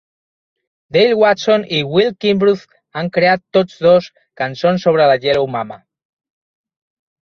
Dale Watson i Will Kimbrough han creat tots dos cançons sobre la Yellow Mama.